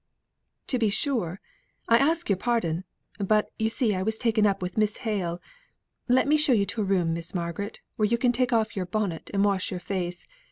"To be sure; I ask your pardon; but you see I was taken up with Miss Hale. Let me show you to a room, Miss Margaret, where you can take off your bonnet, and wash your face.